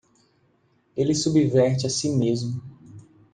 Ele subverte a si mesmo.